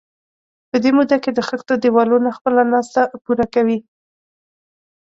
په دې موده کې د خښتو دېوالونه خپله ناسته پوره کوي.